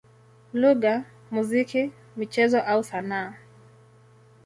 lugha, muziki, michezo au sanaa.